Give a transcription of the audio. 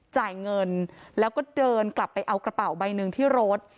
จ่ายเงินแล้วก็เดินกลับไปเอากระเป๋าใบหนึ่งที่รถ